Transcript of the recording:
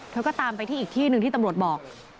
เธอก็ตามไปที่อีกที่หนึ่งที่ตำรวจบอก